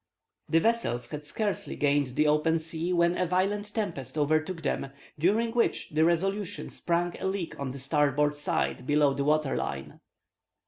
The vessels had scarcely gained the open sea when a violent tempest overtook them, during which the Resolution sprung a leak on the starboard side below the water line.